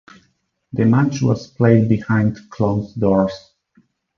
The match was played behind closed doors.